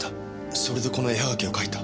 それでこの絵はがきを描いた。